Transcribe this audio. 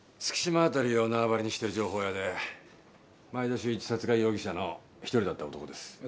月島辺りを縄張りにしてる情報屋で前田修一殺害容疑者の一人だった男です。